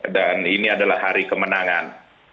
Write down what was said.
dan ini adalah hari kemenangan